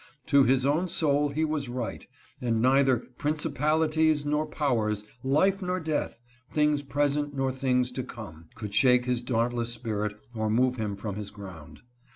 To his own soul he was right, and neither " princi palities nor powers, life nor death, things present nor things to come," could shake his dauntless spirit or move him from his ground.